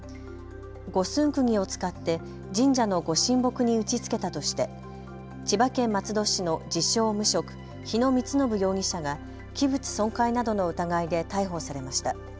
五寸くぎを使って神社のご神木に打ちつけたとして千葉県松戸市の自称無職、日野充信容疑者が器物損壊などの疑いで逮捕されました。